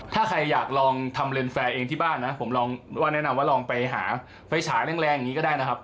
ถ้าใครอยากลองทำเลนแฟร์เองที่บ้านนะผมลองว่าแนะนำว่าลองไปหาไฟฉายแรงอย่างนี้ก็ได้นะครับ